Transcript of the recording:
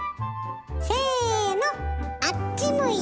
せのあっち向いてホイ！